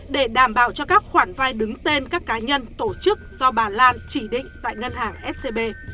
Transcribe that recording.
để đảm bảo cho các khoản vai đứng tên các cá nhân tổ chức do bà lan chỉ định tại ngân hàng scb